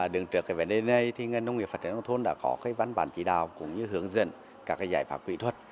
đường trước về vấn đề này thì nông nghiệp phát triển nông thôn đã có văn bản chỉ đạo cũng như hướng dẫn các giải pháp kỹ thuật